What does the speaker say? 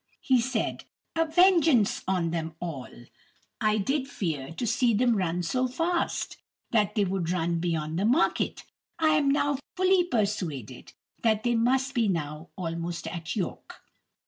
He said, "A vengeance on them all. I did fear, to see them run so fast, that they would run beyond the market. I am now fully persuaded that they must be now almost at York."